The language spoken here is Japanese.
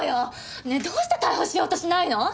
ねえどうして逮捕しようとしないの？